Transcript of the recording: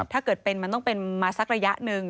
ถ้าเกิดเป็นมันต้องเป็นมาสักระยะหนึ่ง